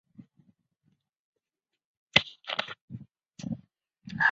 未来并有计画向北延伸至马里兰州的日耳曼镇。